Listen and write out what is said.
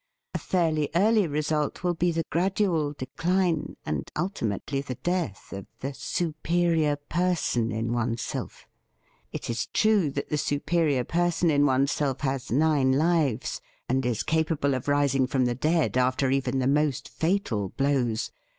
A fairly early result will be the gradual decline, and ultimately the death, of the superior person in one self. It is true that the superior person in oneself has nine lives, and is capable of rising from the dead after even the most fatal blows.